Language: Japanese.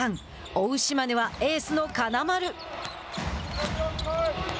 追う島根はエースの金丸。